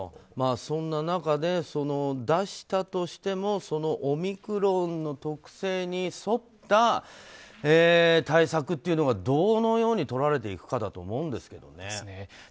そんな中で、出したとしてもそのオミクロンの特性に沿った対策というのはどのように取られていくかだと思うんですけどね。